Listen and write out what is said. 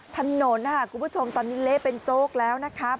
ถนนคุณผู้ชมตอนนี้เละเป็นโจ๊กแล้วนะครับ